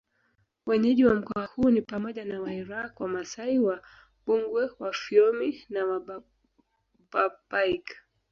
Wenyeji wa mkoa huu ni pamoja na Wairaqw Wamasai Wambugwe Wafyomi na Wabarbaig